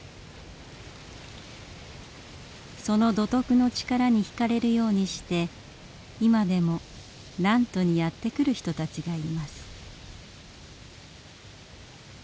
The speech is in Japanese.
その土徳の力にひかれるようにして今でも南砺にやって来る人たちがいます。